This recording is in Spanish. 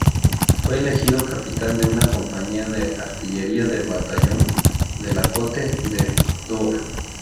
Fue elegido capitán de una compañía de artillera del Batallón de la Côte d'Or.